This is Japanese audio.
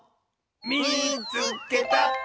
「みいつけた！」。